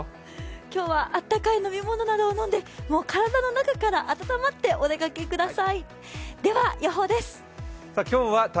今日は温かい飲み物などを飲んで体の中から温まってお出かけください。